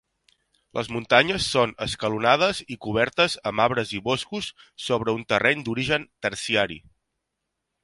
Les muntanyes són escalonades i cobertes amb arbres i boscos sobre un terreny d'origen terciari.